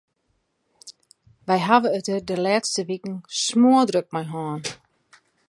Wy hawwe it der de lêste wiken smoardrok mei hân.